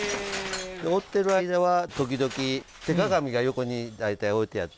織ってる間は時々手鏡が横に大体置いてあって。